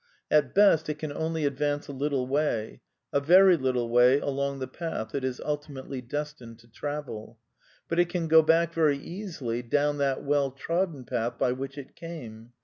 At best it i can only advance a little way, a very little way along the path it is ultimately destined to travel. But it can go back very easily down that well trodden path by which it came.